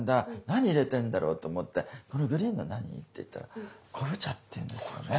何入れてんだろうと思って「このグリーンの何？」って言ったら「昆布茶」って言うんですよね。